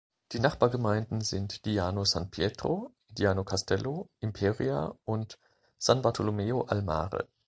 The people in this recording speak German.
Die Nachbargemeinden sind Diano San Pietro, Diano Castello, Imperia und San Bartolomeo al Mare.